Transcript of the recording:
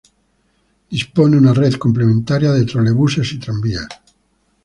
Dispone una red complementaria de trolebuses y tranvías.